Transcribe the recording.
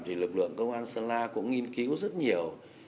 thì lực lượng công an sơn la cũng nghiên cứu rất nhiều